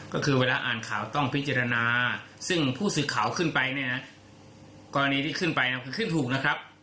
ก็คือเวลาอ่านข่าวต้องพิจารณาซึ่งผู้สื่อข่าวขึ้นไปเนี่ยนะกรณีที่ขึ้นไปคือขึ้นถูกนะครับ